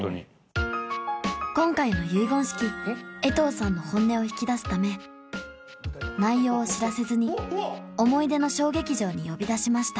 今回の結言式えとうさんの本音を引き出すため内容を知らせずに思い出の小劇場に呼び出しました